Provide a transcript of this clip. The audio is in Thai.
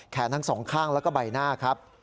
ทั้งสองข้างแล้วก็ใบหน้าครับ